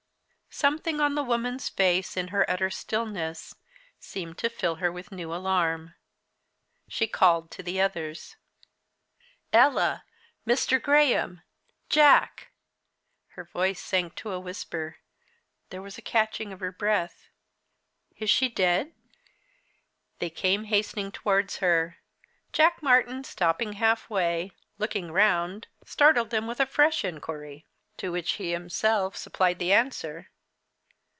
Something on the woman's face, in her utter stillness, seemed to fill her with new alarm. She called to the others. "Ella! Mr. Graham! Jack!" Her voice sank to a whisper; there was a catching of her breath. "Is she dead?" They came hastening towards her. Jack Martyn, stopping halfway, looking round, startled them with a fresh inquiry, to which he himself supplied the answer.